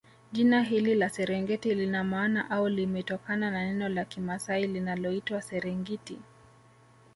Jina hili la Serengeti lina maana au limetokana na neno la kimasai linaloitwa Serengiti